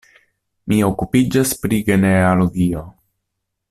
Mi okupiĝas pri genealogio.